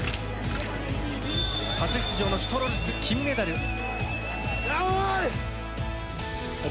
初出場のシュトロルツ金メダル！